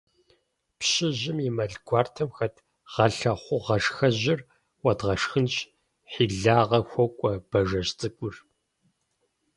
– Пщыжьым и мэл гуартэм хэт гъэлъэхъугъашхэжьыр уэдгъэшхынщ! – хьилагъэ хуокӀуэ Бажэжь цӀыкӀур.